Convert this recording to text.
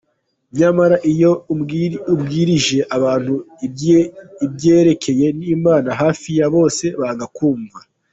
Nyamara iyo ubwirije abantu ibyerekeye imana hafi ya bose banga kumva.